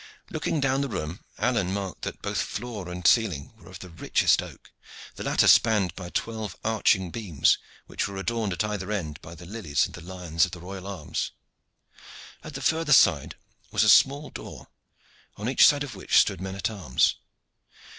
Looking down the room, Alleyne marked that both floor and ceiling were of the richest oak, the latter spanned by twelve arching beams, which were adorned at either end by the lilies and the lions of the royal arms. On the further side was a small door, on each side of which stood men at arms.